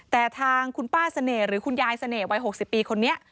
แต่ทางคุณป้าเสน่ห์หรือคุณยายเสน่หวัย๖๐ปีคนนี้